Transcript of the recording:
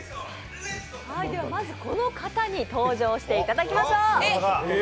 まず、この方に登場していただきましょう。